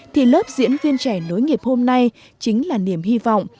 thì lớp diễn viên trẻ nối nghiệp hôm nay chính là niềm hy vọng